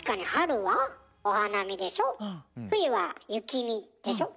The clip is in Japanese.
冬は「雪見」でしょ？